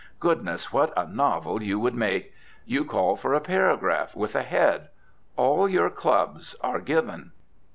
Goodness! what a novel you would make. You call for a paragraph, with a head. All your clubs are given.